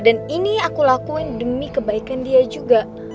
dan ini aku lakuin demi kebaikan dia juga